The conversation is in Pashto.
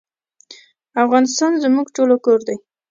افغانستان زموږ ټولو کور دی